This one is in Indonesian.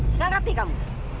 nggak ngerti kamu